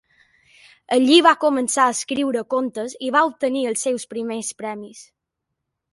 Allí va començar a escriure contes i va obtenir els seus primers premis.